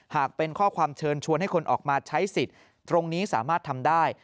หากเป็นข้อความเชิญชวนให้คนออกมาใช้สิทธิ์ตรงนี้สามารถทำได้